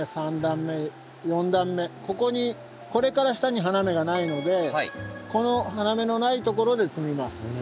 ここにこれから下に花芽がないのでこの花芽のないところで摘みます。